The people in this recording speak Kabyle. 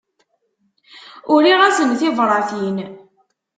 Uriɣ-asen tibratin.